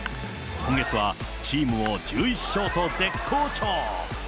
今月はチームを１１勝と絶好調。